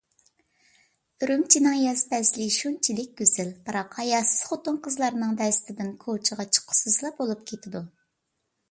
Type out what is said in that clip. ئۈرۈمچىنىڭ ياز پەسلى شۇنچىلىك گۈزەل، بىراق ھاياسىز خوتۇن-قىزلارنىڭ دەستىدىن كوچىغا چىققۇسىزلا بولۇپ كېتىدۇ.